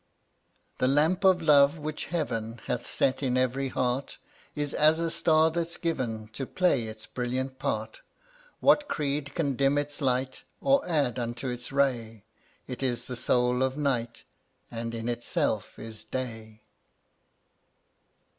121 The lamp of love which Heaven $}fH/ir Hath set in every heart Is as a star that's given (Jv£' To play its brilliant part. tftltUt What creed can dim its light J Or add unto its ray? It is the soul of night And in itself is day.